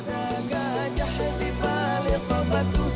ada gajah di balik pobatu